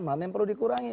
mana yang perlu dikurangi